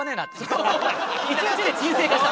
一日で沈静化した。